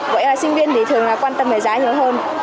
vậy là sinh viên thì thường quan tâm về giá nhiều hơn